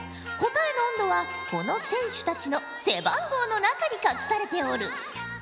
答えの温度はこの選手たちの背番号の中に隠されておる。